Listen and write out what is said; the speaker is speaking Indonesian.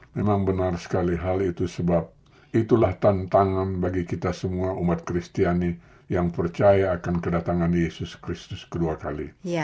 memang benar sekali hal itu sebab itulah tantangan bagi kita semua umat kristiani yang percaya akan kedatangan yesus kristus kedua kali